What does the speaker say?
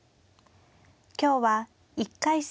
今日は１回戦